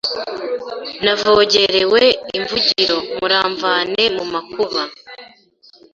Navogerewe imvugiro Muramvane mu makuba